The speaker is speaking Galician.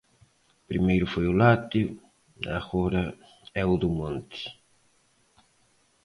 Primeiro foi o lácteo, agora é o do monte.